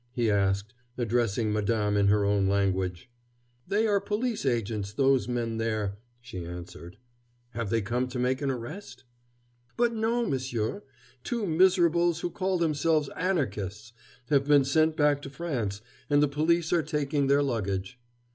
he asked, addressing madame in her own language. "They are police agents, those men there," she answered. "Have they come to make an arrest?" "But no, monsieur. Two miserables who call themselves Anarchists have been sent back to France, and the police are taking their luggage.